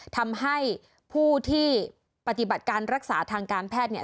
ทำให้ผู้ที่ปฏิบัติการรักษาทางการแพทย์เนี่ย